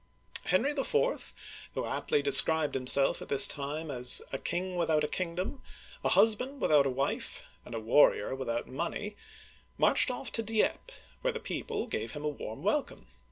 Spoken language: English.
Henry IV., who aptly described himself at this time as " A king without a kingdom, a husband without a wife, and a warrior without money,'* marched off to Dieppe (de 8p' ), where the people gave him a warm welcome.